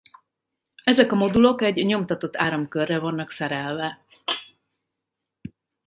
Ezek a modulok egy nyomtatott áramkörre vannak szerelve.